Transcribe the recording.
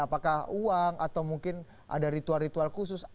apakah uang atau mungkin ada ritual ritual khusus